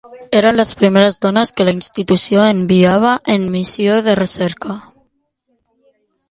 Eren les primeres dones que la institució enviava en missió de recerca.